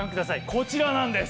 こちらなんです。